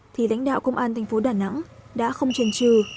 thì đánh đạo công an thành phố đà nẵng đã không chân trừ